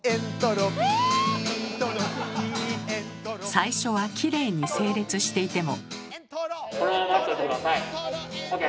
最初はきれいに整列していても。